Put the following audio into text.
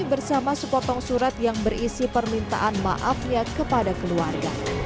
bersama sepotong surat yang berisi permintaan maafnya kepada keluarga